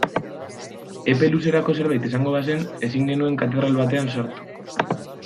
Epe luzerako zerbait izango bazen ezin genuen katedral batean sartu.